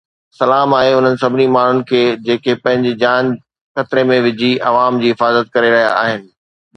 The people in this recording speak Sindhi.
سلام آهي انهن سڀني ماڻهن کي جيڪي پنهنجي جان خطري ۾ وجهي عوام جي حفاظت ڪري رهيا آهن.